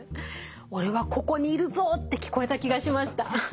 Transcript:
「俺はここにいるぞ」って聞こえた気がしました。